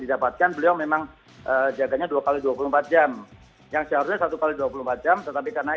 didapatkan beliau memang jaganya dua x dua puluh empat jam yang seharusnya satu x dua puluh empat jam tetapi karena